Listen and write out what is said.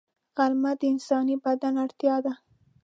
غرمه د انساني بدن اړتیا ده